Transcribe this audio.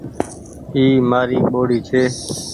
اي مآري ٻوڙي ڇي